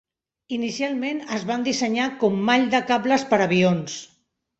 Inicialment es van dissenyar com mall de cables per a avions.